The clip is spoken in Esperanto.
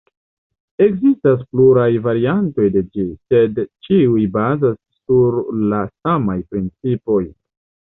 Ekzistas pluraj variantoj de ĝi, sed ĉiuj bazas sur la samaj principoj.